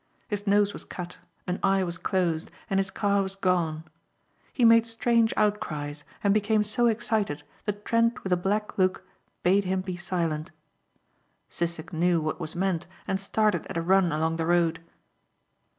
His nose was cut, an eye was closed and his car was gone. He made strange outcries and became so excited that Trent with a black look bade him be silent. Sissek knew what was meant and started at a run along the road.